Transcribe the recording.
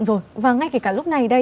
rồi và ngay cả lúc này đây